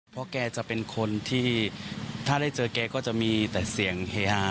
เพราะแกจะเป็นคนที่ถ้าได้เจอแกก็จะมีแต่เสียงเฮฮา